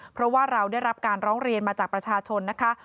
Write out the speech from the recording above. เพราะว่าเราได้รับการร้องเรียนมาจากประชาชนนะคะ